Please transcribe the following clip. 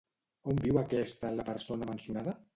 On viu aquesta la persona mencionada?